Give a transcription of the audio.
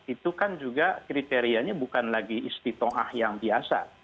itu kan juga kriterianya bukan lagi istitoah yang biasa